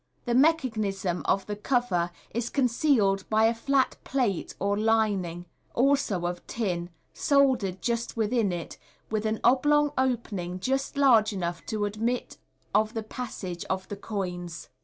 The mechanism of the cover is concealed by a flat plate or lining, also of tin, soldered just within it, with an oblong opening just large enough to admit of the passage of the coins.